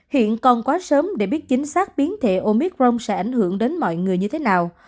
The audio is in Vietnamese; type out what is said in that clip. hiện còn quá sớm để biết chính xác biến thể omicron sẽ ảnh hưởng đến mọi người như thế nào